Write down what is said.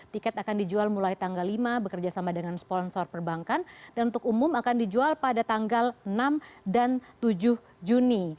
tiket akan dijual mulai tanggal lima bekerja sama dengan sponsor perbankan dan untuk umum akan dijual pada tanggal enam dan tujuh juni